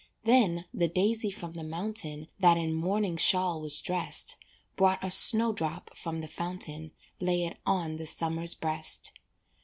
Then the daisy from the mountain, That in mourning shawl was dressed, Brought a snowdrow from the fountain, Lay it on the summer's breast.